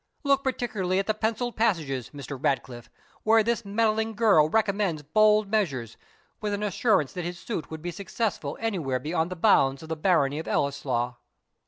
Look particularly at the pencilled passages, Mr. Ratcliffe, where this meddling girl recommends bold measures, with an assurance that his suit would be successful anywhere beyond the bounds of the barony of Ellieslaw."